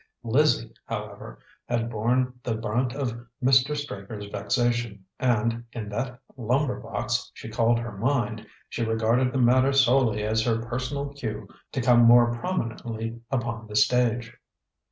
Lizzie, however, had borne the brunt of Mr. Straker's vexation, and, in that lumber box she called her mind, she regarded the matter solely as her personal cue to come more prominently upon the stage.